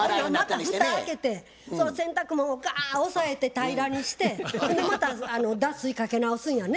また蓋開けてその洗濯物をガーッ押さえて平らにしてまた脱水かけ直すんやね。